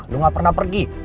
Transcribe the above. lo gak pernah pergi